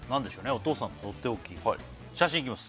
お父さんのとっておき写真いきます